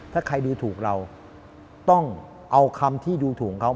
ถ้าใครดูถูกเราต้องเอาคำที่ดูถูกเขา